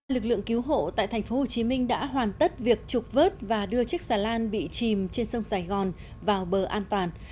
lực lượng cứu hộ tại tp hcm đã hoàn tất việc trục vớt và đưa chiếc xà lan bị chìm trên sông sài gòn vào bờ an toàn